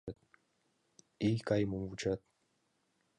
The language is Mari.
Ий кайымым вучат.